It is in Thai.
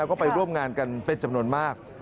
แล้วก็ไปร่วมงานกันเป็นจำนวนมาก